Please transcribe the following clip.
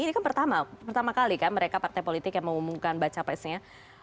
ini kan pertama kali kan mereka partai politik yang mengumumkan bakal capresnya